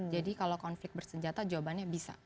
jadi kalau konflik bersenjata jawabannya bisa